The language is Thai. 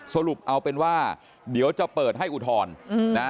สรุปเอาเป็นว่าเดี๋ยวจะเปิดให้อุทธรณ์นะ